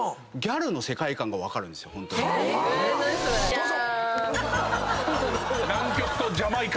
どうぞ！